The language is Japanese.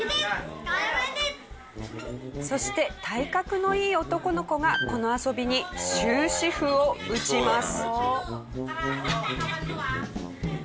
そして体格のいい男の子がこの遊びに終止符を打ちます。